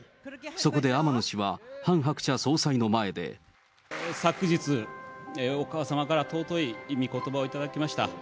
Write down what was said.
そこで天野氏は、ハン・ハクチャ昨日、お母様から、尊いおことばを頂きました。